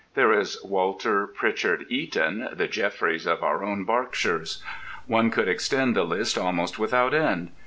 There is Walter Prichard Eaton, the Jefferies of our own Berkshires. One could extend the list almost without end.